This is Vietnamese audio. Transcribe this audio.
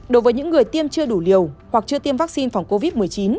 đối với những người tiêm chưa đủ liều hoặc chưa tiêm vaccine phòng covid một mươi chín